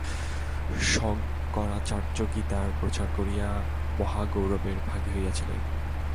শঙ্করাচার্য গীতার প্রচার করিয়াই মহা গৌরবের ভাগী হইয়াছিলেন।